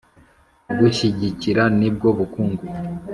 Kugushyigikira nibwo bukungu